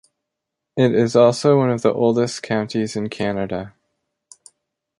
It is also one of the oldest counties in Canada.